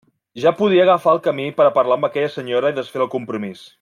Ja podia agafar el camí per a parlar amb aquella senyora i desfer el compromís!